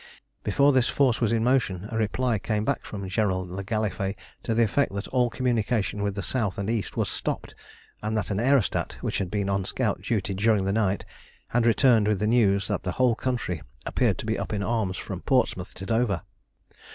Before this force was in motion a reply came back from General le Gallifet to the effect that all communication with the south and east was stopped, and that an aerostat, which had been on scout duty during the night, had returned with the news that the whole country appeared to be up in arms from Portsmouth to Dover.